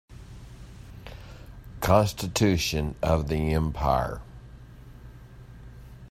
Constitution of the empire.